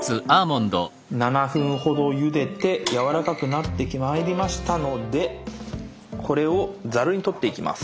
７分ほどゆでてやわらかくなってまいりましたのでこれをザルに取っていきます。